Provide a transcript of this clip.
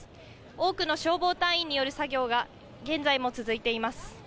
多くの消防隊員による作業が、現在も続いています。